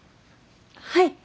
はい。